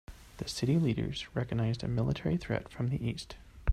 The city leaders recognized a military threat from the east.